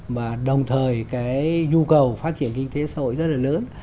mà đồng thời cái nhu cầu phát triển kinh tế xã hội rất là lớn